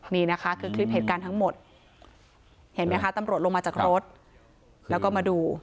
นี่นะคะคือคลิปเหตุการณ์ทั้งหมดเห็นไหมคะตำรวจลงมาจากรถแล้วก็มาดู